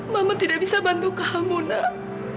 mama tidak bisa bantu kamu nak